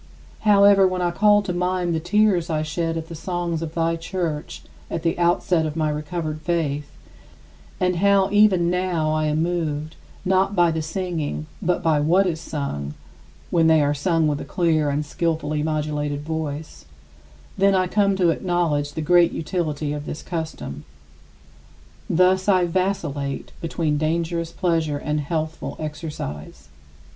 However, when I call to mind the tears I shed at the songs of thy Church at the outset of my recovered faith, and how even now I am moved, not by the singing but by what is sung (when they are sung with a clear and skillfully modulated voice), I then come to acknowledge the great utility of this custom. Thus I vacillate between dangerous pleasure and healthful exercise.